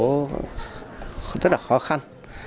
nó rất là khó khăn